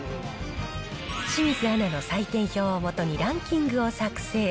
清水アナの採点表を基にランキングを作成。